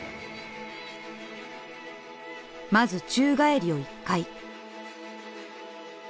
まず宙返りを１回。